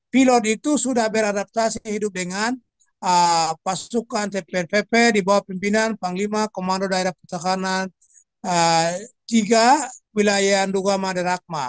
pilot itu sudah beradaptasi hidup dengan pasukan tpnpp di bawah pimpinan panglima komando daerah pertahanan tiga wilayah indogama dan akma